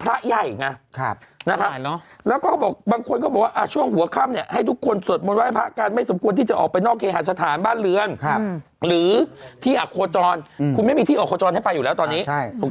มันก็เลยเป็นราหุองจันทร์แล้วก็ตรงกับวันราหุพอดี